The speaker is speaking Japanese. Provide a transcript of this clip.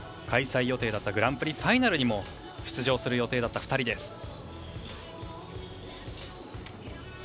開催予定だったグランプリファイナルにも出場する予定だった２人です。